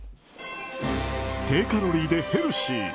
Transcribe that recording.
低カロリーでヘルシー。